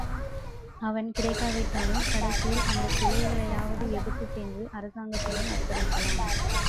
அவன் கிடைக்காவிட்டாலும் கடைசியில் அந்தச் சிலைகளையாவது எடுத்துச் சென்று அரசாங்கத்திடம் ஒப்படைக்கலாம்.